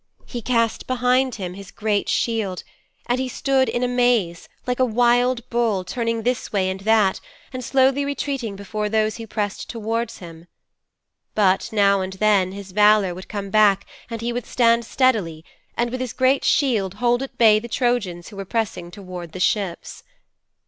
He cast behind him his great shield, and he stood in a maze, like a wild bull, turning this way and that, and slowly retreating before those who pressed towards him. But now and again his valour would come back and he would stand steadily and, with his great shield, hold at bay the Trojans who were pressing towards the ships.